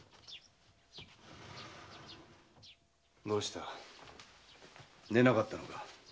どうした寝なかったのか？